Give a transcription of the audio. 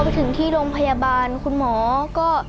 ไปถึงที่โรงพยาบาลคุณหมอก็